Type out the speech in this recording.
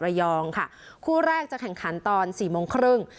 ระยองค่ะคู่แรกจะแข่งขันตอนสี่โมงครึ่ง